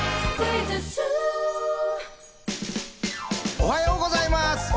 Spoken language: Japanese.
おはようございます。